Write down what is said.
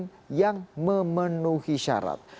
memilih pemimpin yang memenuhi syarat